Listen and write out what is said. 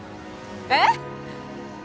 えっ？